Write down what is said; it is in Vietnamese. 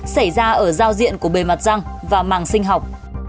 xảy ra ở giao diện của bề mặt răng và màng sinh học